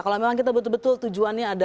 kalau memang kita betul betul tujuannya ada